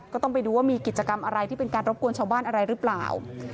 ก็ต้องไปดูว่ามีกิจกรรมอะไรที่เป็นการรบกวนชาวบ้านอะไรหรือเปล่า